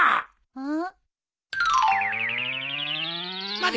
うん。